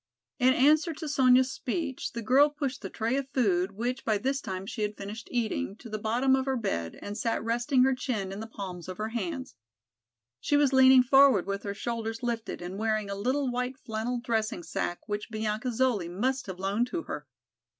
In answer to Sonya's speech, the girl pushed the tray of food which by this time she had finished eating, to the bottom of her bed and sat resting her chin in the palms of her hands. She was leaning forward with her shoulders lifted and wearing a little white flannel dressing sacque which Bianca Zoli must have loaned to her.